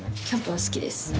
キャンプは好きです